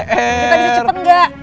kita bisa cepet gak